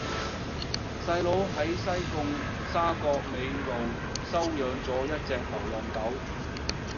細佬喺西貢沙角尾路收養左一隻流浪狗